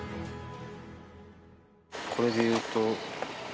これで言うと。